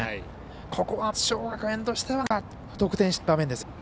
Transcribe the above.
ここは松商学園としてはなんとか得点したい場面ですよ。